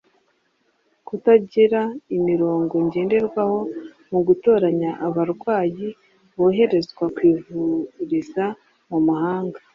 Kutagira imirongo ngenderwaho mu gutoranya abarwayi boherezwa kwivuriza mu mahanga